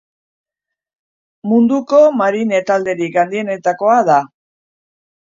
Munduko marine talderik handienetakoa da.